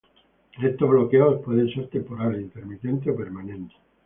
Estos bloqueos pueden ser temporales, intermitentes o permanentes.